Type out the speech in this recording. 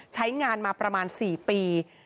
ใช้งานมาประมาณ๔ปี